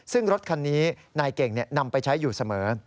ซึ่งรถคันนี้นายเก่งนำไปใช้อยู่เสมอ